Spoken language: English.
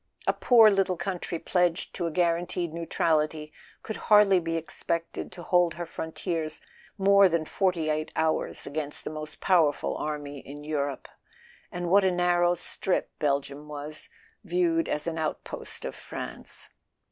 A poor little country pledged to a guar ranteed neutrality could hardly be expected to hold her frontiers more than forty eight hours against the most powerful army in Europe. And what a nar¬ row strip Belgium was, viewed as an outpost of France!